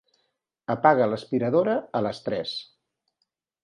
Apaga l'aspiradora a les tres.